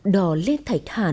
đò lên thạch hạn